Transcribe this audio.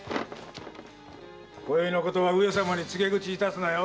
今宵のことは上様に告げ口致すなよ！